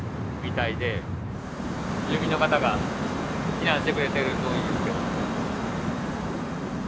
住民の方が避難してくれてるといいんですけど。